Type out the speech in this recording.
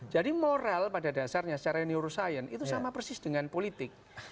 moral pada dasarnya secara neuroscience itu sama persis dengan politik